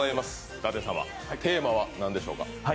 舘様、テーマは何でしょうか。